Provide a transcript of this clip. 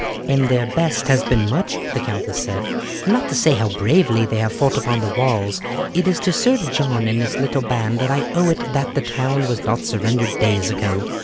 "And their best has been much," the countess said; "not to say how bravely they have fought upon the walls, it is to Sir John and his little band that I owe it that the town was not surrendered days ago.